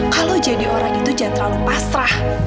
kalau jadi orang itu jangan terlalu pasrah